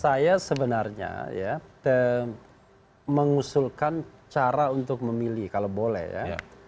saya sebenarnya ya mengusulkan cara untuk memilih kalau boleh ya